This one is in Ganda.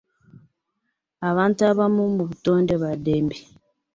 Abantu abamu mu butonde ba ddembe.